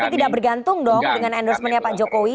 tapi tidak bergantung dong dengan endorsement nya pak jokowi